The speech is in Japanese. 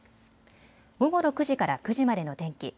午後６時から９時までの天気。